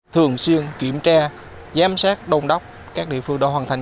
thường xuyên kiểm tra giám sát đồn đốc các địa phương đoàn hoàn thành